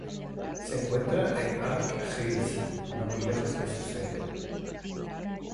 Se encuentra en Ark Hills, no muy lejos de su sede.